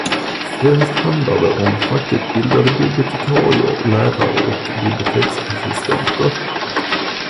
Främst handlar det om fackutbildade bibliotekarier, lärare och biblioteksassistenter.